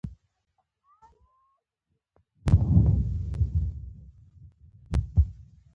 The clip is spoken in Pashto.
دودیزو لوبو او سپورټ د ژبې په پراختیا کې ونډه لرلې ده.